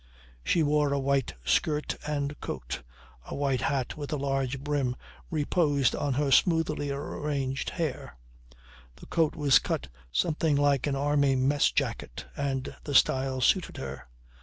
She wore a white skirt and coat; a white hat with a large brim reposed on her smoothly arranged hair. The coat was cut something like an army mess jacket and the style suited her.